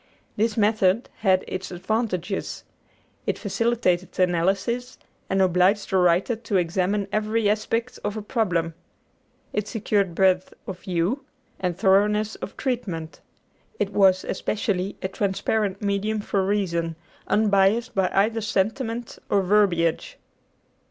This method had its advantages. It facilitated analysis, and obliged the writer to examine every aspect of a problem. It secured breadth of view and thoroughness of treatment. It was, especially, a transparent medium for reason, unbiased by either sentiment or verbiage.